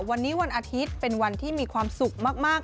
วันนี้วันอาทิตย์เป็นวันที่มีความสุขมาก